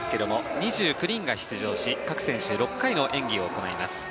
２９人が出場し各選手６回の演技を行います。